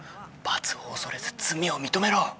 罰を恐れず罪を認めろ！